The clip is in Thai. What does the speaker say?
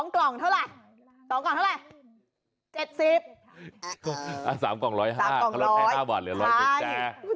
๒กล่องเท่าไหร่๗๐๓กล่องร้อย๕เขาต้องแพ้๕บาทเหลือ๑๐๐แจ